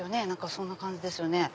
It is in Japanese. そんな感じですよね。